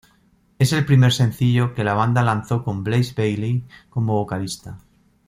Es el primer sencillo que la banda lanzó con Blaze Bayley como vocalista.